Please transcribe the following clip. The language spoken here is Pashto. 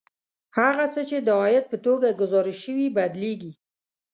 هغه څه چې د عاید په توګه ګزارش شوي بدلېږي